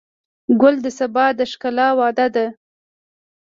ګل د سبا د ښکلا وعده ده.